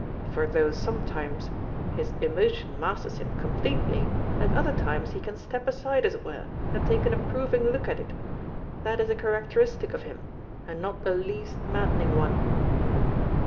For though sometimes his emotion masters him completely, at other times he can step aside as it were, and take an approving look at it. That is a characteristic of him, and not the least maddening one."